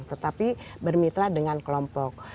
tetapi bermitra dengan kelompok